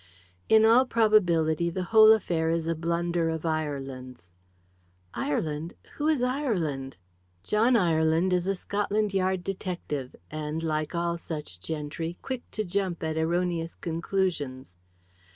"In all probability the whole affair is a blunder of Ireland's." "Ireland? Who is Ireland?" "John Ireland is a Scotland Yard detective, and, like all such gentry, quick to jump at erroneous conclusions."